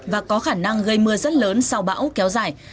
và có khả năng gây mưa rất lớn sau bão kéo dài